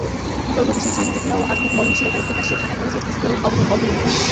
প্রগতিশীল চিন্তাচেতনা ও আধুনিক মননশীলতার বিকাশে ঢাকা কলেজিয়েট স্কুলের অবদান অতুলনীয়।